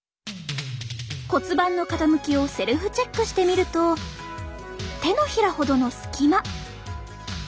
骨盤の傾きをセルフチェックしてみると手のひらほどの隙間。